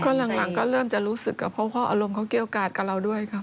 ก็หลังก็เริ่มจะรู้สึกกับเพราะอารมณ์เขาเกี่ยวกับเราด้วยครับ